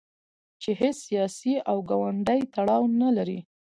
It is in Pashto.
چې هیڅ سیاسي او ګوندي تړاو نه لري.